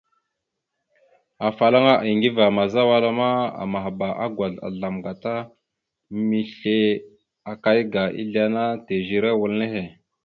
Afalaŋa Aŋgiva àmaza wala ma, amahba agwazl azzlam gata misle akaya aga izle ana tèzire wal nehe.